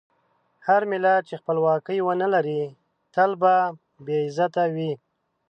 هر ملت چې خپلواکي ونه لري، تل به بې عزته وي.